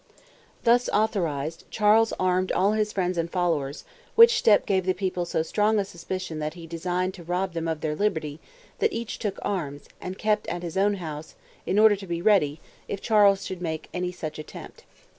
Thus authorized, Charles armed all his friends and followers, which step gave the people so strong a suspicion that he designed to rob them of their liberty, that each took arms, and kept at his own house, in order to be ready, if Charles should make any such attempt.